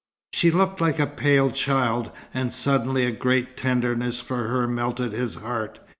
She looked like a pale child, and suddenly a great tenderness for her melted his heart.